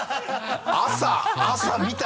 朝見た